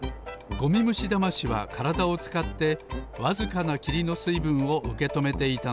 ゴミムシダマシはからだをつかってわずかなきりのすいぶんをうけとめていたのです。